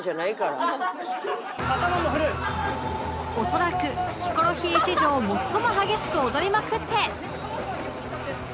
恐らくヒコロヒー史上最も激しく踊りまくって